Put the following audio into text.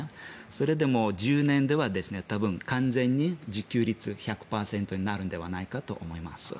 それで１０年で多分、完全に自給率１００％になるのではないかと思います。